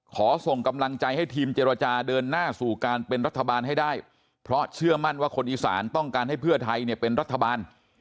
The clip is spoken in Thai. ขอส่งกำลังใจให้ทีมเจรจาเดินหน้าสู่การเป็นรัฐบาลให้ได้เพราะเชื่อมั่นว่าคนอีสานต้องการให้เพื่อไทยเนี่ยเป็นรัฐบาล